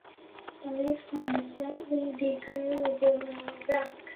The legs and slightly decurved bill are black.